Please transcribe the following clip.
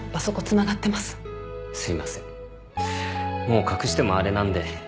もう隠してもあれなんで。